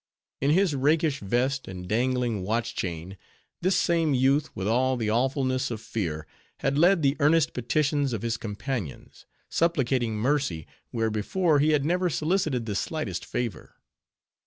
In his rakish vest, and dangling watch chain, this same youth, with all the awfulness of fear, had led the earnest petitions of his companions; supplicating mercy, where before he had never solicited the slightest favor.